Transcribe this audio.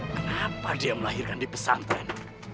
mengapa dia melahirkan di pesantren